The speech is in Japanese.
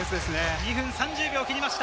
２分３０秒を切りました。